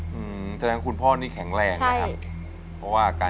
เพราะฉะนั้นคุณพ่อนี่แข็งแรงค่ะ